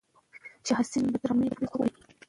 شاه حسین به تر غرمې پورې په خوب و.